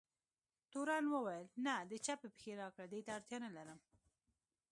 تورن وویل: نه، د چپې پښې راکړه، دې ته اړتیا نه لرم.